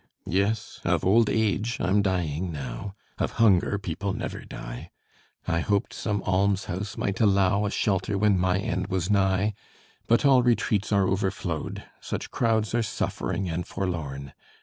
Yes, of old age I'm dying now: Of hunger people never die. I hoped some almshouse might allow A shelter when my end was nigh; But all retreats are overflowed, Such crowds are suffering and forlorn.